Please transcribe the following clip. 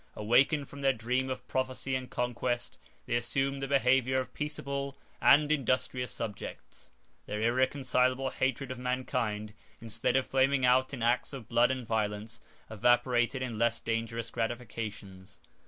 Awakened from their dream of prophecy and conquest, they assumed the behavior of peaceable and industrious subjects. Their irreconcilable hatred of mankind, instead of flaming out in acts of blood and violence, evaporated in less dangerous gratifications.